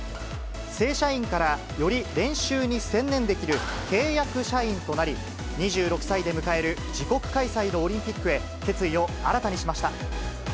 正社員からより練習に専念できる契約社員となり、２６歳で迎える自国開催のオリンピックへ、決意を新たにしました。